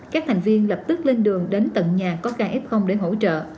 các thành viên lập tức lên đường đến tận nhà có ca f để hỗ trợ